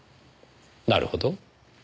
なるほど。